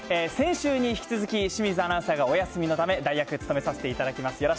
先週に引き続き清水アナウンサーがお休みのため務めさせていただきます。